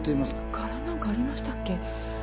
柄なんかありましたっけ？